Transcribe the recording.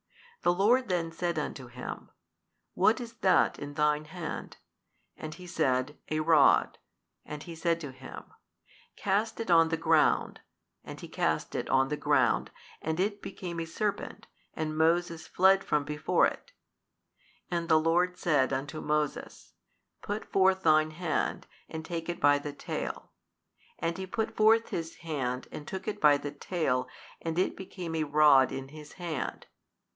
the Lord then said unto him, What is that in thine hand? And he said, A rod: and He said to him, Cast it on the ground: and he cast it on the ground 14 and it became a serpent and Moses fled from before it: and the Lord said unto Moses, Put forth thine hand, and take it by the tail; and he put forth his hand and took it by the tail and it became a rod in his hand.